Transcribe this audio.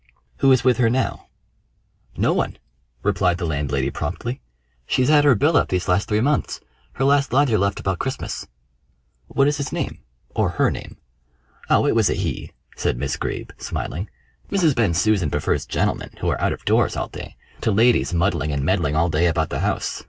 "Who is with her now?" "No one," replied the landlady promptly. "She's had her bill up these three months. Her last lodger left about Christmas." "What is his name or her name?" "Oh, it was a 'he,'" said Miss Greeb, smiling. "Mrs. Bensusan prefers gentlemen, who are out of doors all day, to ladies muddling and meddling all day about the house.